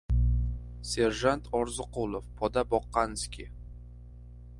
Serjant Orziqulov poda boqqanskiy!